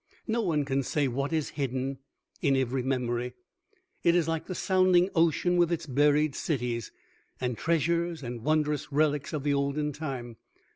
No one can say what is hidden in every memory; it is like the sounding ocean with its buried cities, and treasures and wondrous relics of the olden time.